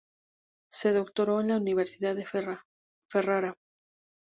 Se doctoró en la Universidad de Ferrara.